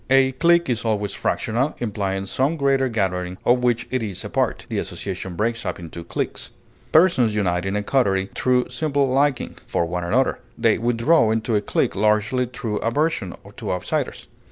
A clique is always fractional, implying some greater gathering of which it is a part; the association breaks up into cliques. Persons unite in a coterie through simple liking for one another; they withdraw into a clique largely through aversion to outsiders.